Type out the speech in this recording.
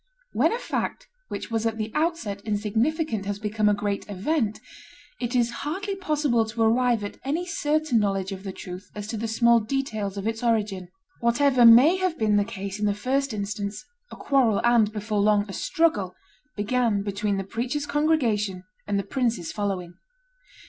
When a fact which was at the outset insignificant has become a great event, it is hardly possible to arrive at any certain knowledge of the truth as to the small details of its origin. Whatever may have been the case in the first instance, a quarrel, and, before long, a struggle, began between the preacher's congregation and the prince's following.